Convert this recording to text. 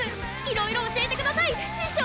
いろいろ教えてください師匠！